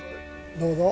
どうぞ！